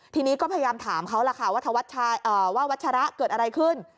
ทีนี้ก็พยายามถามเขาล่ะค่ะว่าวัชระเกิดอะไรขึ้น